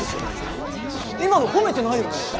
今の褒めてないよね？